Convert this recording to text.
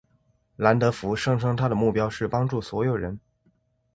兰德福声称他的目标是帮助所有人。